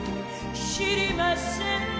知りません